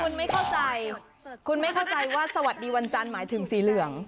คุณไม่เข้าใจคุณไม่เข้าใจว่าสวัสดีวันจันทร์หมายถึงสีเหลือง